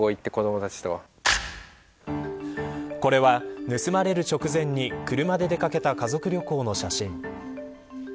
これは、盗まれる直前に車で出掛けた家族旅行の写真。